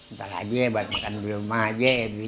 ntar aja buat makan di rumah aja duitnya gitu belah sih